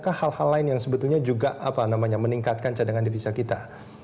apakah hal hal lain yang sebetulnya juga meningkatkan cadangan devisa kita